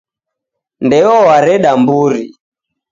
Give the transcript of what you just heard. Ndeo w'areda mburi